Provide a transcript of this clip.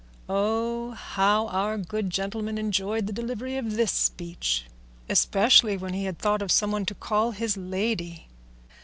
Oh, how our good gentleman enjoyed the delivery of this speech, especially when he had thought of some one to call his Lady!